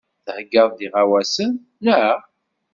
Theyyaḍ-d iɣawasen, naɣ?